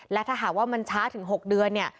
และถ้าหากว่ามันช้าถึง๖เดือนเนี่ย